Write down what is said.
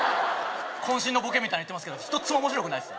渾身のボケみたいに言ってますがひとつも面白くないです